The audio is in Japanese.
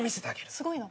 すごいの？